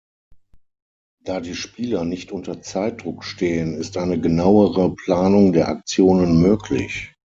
Da die Spieler nicht unter Zeitdruck stehen, ist eine genauere Planung der Aktionen möglich.